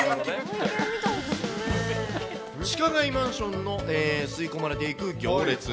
地下街マンションに、吸い込まれていく行列。